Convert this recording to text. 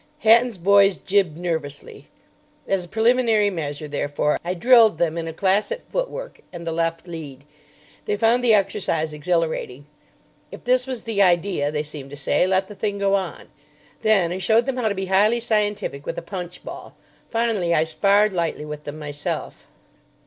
Hatton's boys jibbed nervously. As a preliminary measure, therefore, I drilled them in a class at foot work and the left lead. They found the exercise exhilarating. If this was the idea, they seemed to say, let the thing go on. Then I showed them how to be highly scientific with a punch ball. Finally, I sparred lightly with them myself.